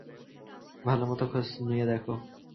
ভালোমতো খোঁজ নিয়ে দেখো।